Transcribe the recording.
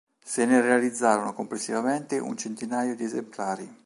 Se ne realizzarono complessivamente un centinaio di esemplari.